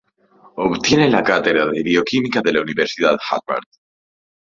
Obtiene la cátedra de bioquímica de la Universidad Harvard.